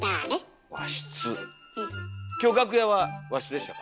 今日楽屋は和室でしたか？